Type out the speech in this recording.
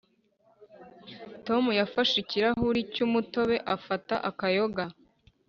tom yafashe ikirahuri cy'umutobe afata akayoga.